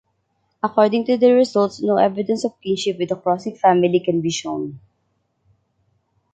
According to their results, no evidence of kinship with the Krosigk family can be shown.